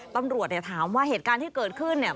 ตำรวจเนี่ยถามว่าเหตุการณ์ที่เกิดขึ้นเนี่ย